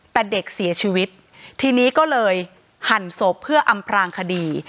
แต่เด็กเสียชีวิตทีนี้ก็เลยหั่นศพเพื่ออำพลางคดี